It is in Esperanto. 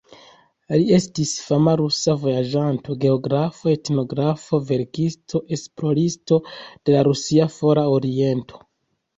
Li estis fama rusa vojaĝanto, geografo, etnografo, verkisto, esploristo de la rusia Fora Oriento.